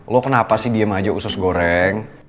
lo kenapa sih diem aja usus goreng